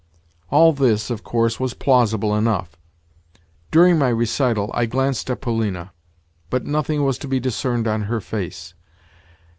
All this, of course, was plausible enough. During my recital I glanced at Polina, but nothing was to be discerned on her face.